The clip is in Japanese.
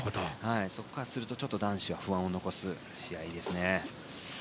そこからすると男子は不安を残す試合です。